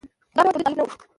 خو دا ډول تولید غالب نه و.